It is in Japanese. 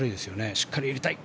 しっかり入れたい！